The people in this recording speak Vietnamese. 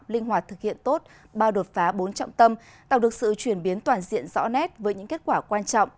linh hoạt thực hiện tốt ba đột phá bốn trọng tâm tạo được sự chuyển biến toàn diện rõ nét với những kết quả quan trọng